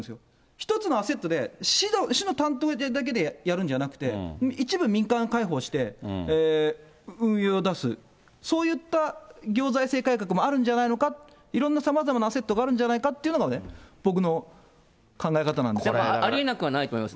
１つのアセットで市の担当だけでやるんじゃなくて、一部民間開放して運用を出す、そういった行財政改革もあるんじゃないのか、いろんなさまざまなアセットがあるんじゃないのかっていうのがね、ありえなくはないと思います。